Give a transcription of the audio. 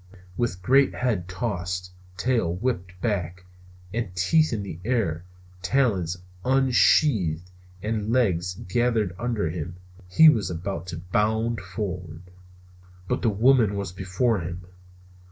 With great head tossed, tail whipped back, and teeth in the air, talons unsheathed and legs gathered under him, he was about to bound forward. But the woman was before him!